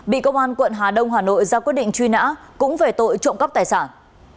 bị công an tp hà nội ra quyết định truy nã cũng về tội trộm cắp tài sản